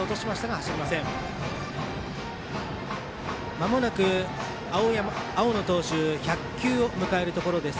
まもなく青野投手１００球を迎えるところです。